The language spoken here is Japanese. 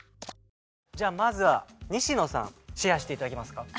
じゃあまずは西野さんシェアして頂けますか？